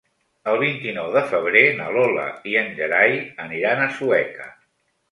El vint-i-nou de febrer na Lola i en Gerai aniran a Sueca.